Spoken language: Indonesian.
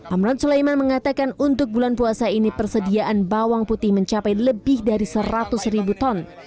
amran sulaiman mengatakan untuk bulan puasa ini persediaan bawang putih mencapai lebih dari seratus ribu ton